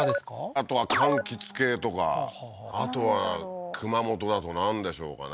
あとは柑橘系とかあとは熊本だとなんでしょうかね？